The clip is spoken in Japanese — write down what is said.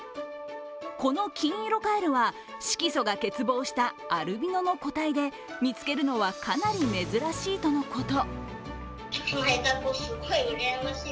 この金色カエルは色素が欠乏したアルビノの個体で、見つけるのはかなり珍しいとのこと。